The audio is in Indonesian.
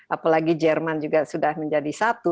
apalagi jerman juga sudah menjadi satu